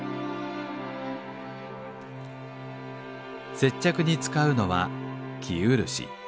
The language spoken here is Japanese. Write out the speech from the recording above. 接着に使うのは生漆。